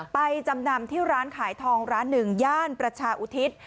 จำนำที่ร้านขายทองร้านหนึ่งย่านประชาอุทิศ